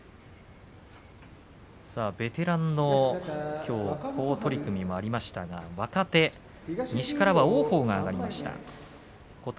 ベテランの好取組もありましたが今度は若手西からは王鵬が上がりました。